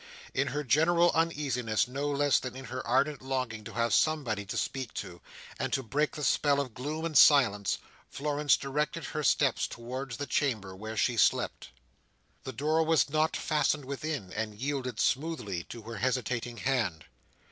In her general uneasiness, no less than in her ardent longing to have somebody to speak to, and to break the spell of gloom and silence, Florence directed her steps towards the chamber where she slept. The door was not fastened within, and yielded smoothly to her hesitating hand.